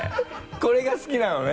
これが好きなのね？